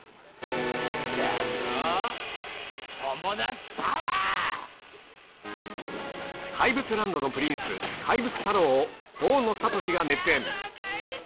きたぞ、怪物ランドのプリンス、怪物太郎を、大野智が熱演。